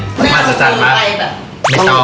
ความสุขจั๊นไหม